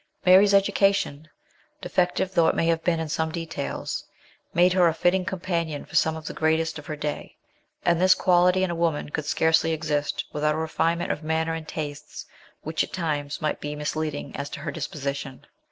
Mary's education, defective though it may have been in some details, made her a fitting companion for some of the greatest of her day, and this quality in a woman could scarcely exist without a refinement of manner and tastes which, at times, might be mislead ing as to her disposition.